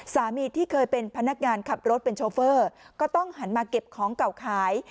สามีที่เคยเป็นพนักงานขับรถเป็นโชเฟอร์ก็ต้องหันมาเก็บของเก่าขาย